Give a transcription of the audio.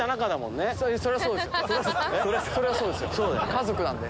家族なんで。